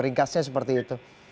ringkasnya seperti itu